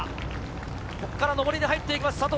ここから上りに入ってきます。